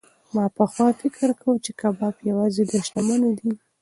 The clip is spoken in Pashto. ما پخوا فکر کاوه چې کباب یوازې د شتمنو دی.